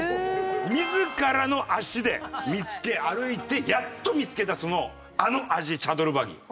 自らの足で見つけ歩いてやっと見つけたあの味チャドルバギ。